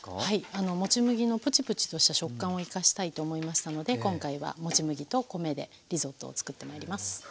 もち麦のプチプチとした食感を生かしたいと思いましたので今回はもち麦と米でリゾットを作ってまいります。